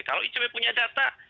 kalau icw punya data